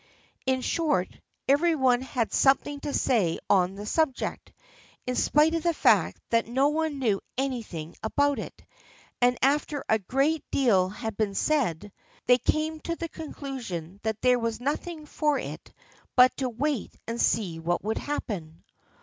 In short, every one had something to say on the subject, in spite of the fact that no one knew anything about it; and after a great deal had been said, they came to the conclusion that there was nothing for it but to wait and see what would happen.